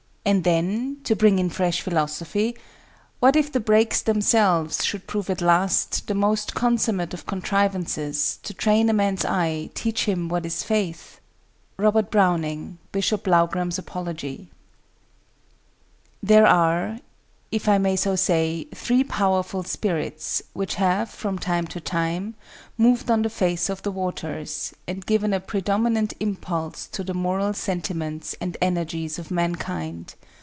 And then (to bring in fresh philosophy) What if the breaks themselves should prove at last The most consummate of contrivances To train a man's eye, teach him what is faith?" —ROBERT BROWNING, Bishop Blougram's Apology. "There are, if I may so say, three powerful spirits, which have from time to time, moved on the face of the waters, and given a predominant impulse to the moral sentiments and energies of mankind.